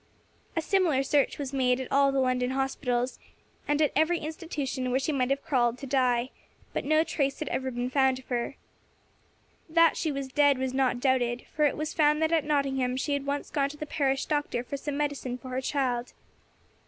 A similar search was made at all the London hospitals, and at every institution where she might have crawled to die; but no trace had ever been found of her. That she was dead was not doubted; for it was found that at Nottingham she had once gone to the parish doctor for some medicine for her child.